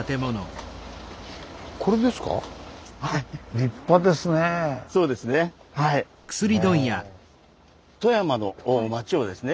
立派ですね。